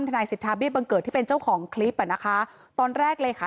นายสิทธาเบี้บังเกิดที่เป็นเจ้าของคลิปอ่ะนะคะตอนแรกเลยค่ะ